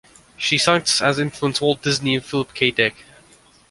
She cites as influences Walt Disney and Philip K. Dick.